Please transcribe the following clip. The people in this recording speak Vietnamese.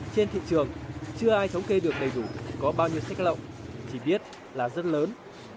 trên thị trường chưa ai thống kê được đầy đủ có bao nhiêu xích lộng chỉ biết là rất lớn